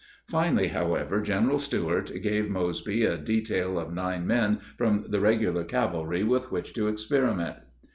Finally, however, General Stuart gave Mosby a detail of nine men from the regular cavalry with which to experiment.